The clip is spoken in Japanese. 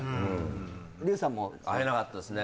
竜さんも会えなかったですね